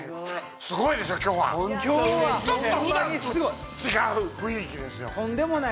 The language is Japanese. すごいでしょ今日はちょっと普段と違う雰囲気ですよ